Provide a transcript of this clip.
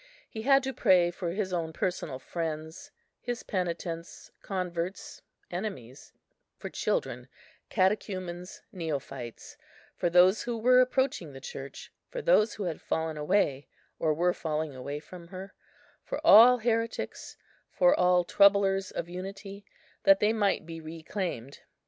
He had to pray for his own personal friends, his penitents, converts, enemies; for children, catechumens, neophytes; for those who were approaching the Church, for those who had fallen away, or were falling away from her; for all heretics, for all troublers of unity, that they might be reclaimed.